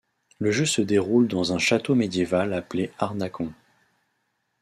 Le jeu se déroule dans un château médiéval appelé Harnakon.